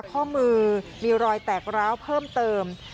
ข้อมือมีรอยแตกร้าวเพิ่มเติม